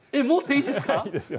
いいですよ。